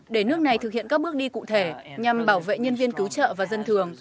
để nước này thực hiện các bước đi cụ thể nhằm bảo vệ nhân viên cứu trợ và dân thường